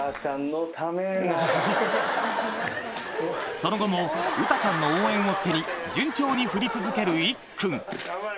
その後もうたちゃんの応援を背に順調に振り続けるいっくん